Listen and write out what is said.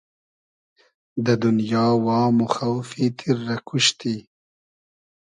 دۂ دونیا وام و خۆفی تیر رۂ کوشتی